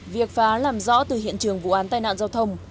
việc phá làm rõ từ hiện trường vụ án tai nạn giao thông